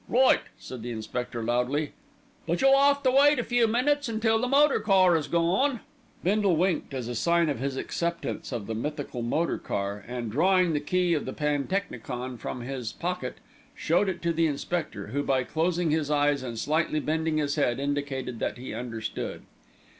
"Right!" said the inspector loudly; "but you'll have to wait a few minutes until that motor car has gone." Bindle winked as a sign of his acceptance of the mythical motor car and, drawing the key of the pantechnicon from his pocket, showed it to the inspector, who, by closing his eyes and slightly bending his head, indicated that he understood.